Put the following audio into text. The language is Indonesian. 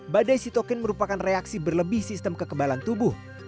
badai sitokin merupakan reaksi berlebih sistem kekebalan tubuh